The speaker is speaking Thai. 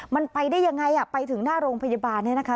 มันไปได้ยังไงอ่ะไปถึงหน้าโรงพยาบาลนะคะ